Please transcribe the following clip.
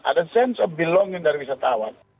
ada sense of belonging dari wisatawan